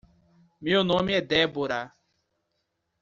Meu nome é Deborah.